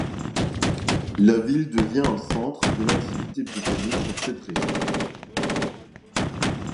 La ville devient un centre de l'activité britannique dans cette région.